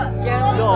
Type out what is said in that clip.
どう？